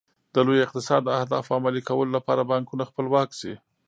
د لوی اقتصاد د اهدافو عملي کولو لپاره بانکونه خپلواک شي.